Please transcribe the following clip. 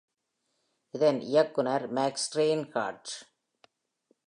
இதன் இயக்குனர் Max Reinhardt.